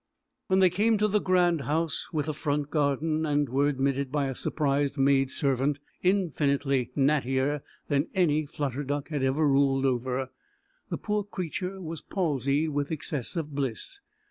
When they came to the grand house with the front garden, and were admitted by a surprised maid servant, infinitely nattier than any Flutter Duck had ever ruled over, the poor creature was palsied with excess of bliss.